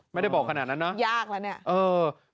ไม่ได้บอกขนาดนั้นเนอะ